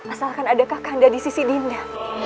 asalkan ada kak kanda di sisi dinda